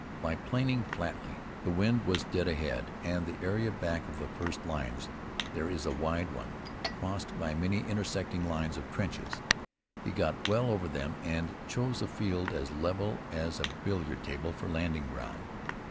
By planing flatly (the wind was dead ahead, and the area back of the first lines there is a wide one, crossed by many intersecting lines of trenches) he got well over them and chose a field as level as a billiard table for landing ground.